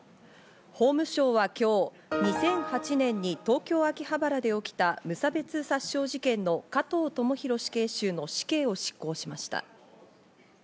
法務省は今日、２００８年に東京・秋葉原で起きた無差別殺傷事件の加藤智大死刑囚の死刑を執行しました。